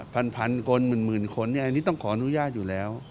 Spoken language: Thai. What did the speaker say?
พลันคนหมื่นคนจะอยู่แล้ว